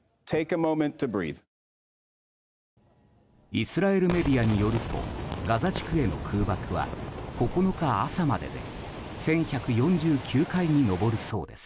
イスラエルメディアによるとガザ地区への空爆は９日朝までで１１４９回に上るそうです。